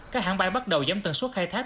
các hãng bay bắt đầu giám tần suốt khai thác